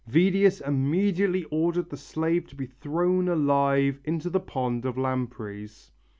Vedius immediately ordered the slave to be thrown alive into the pond of lampreys.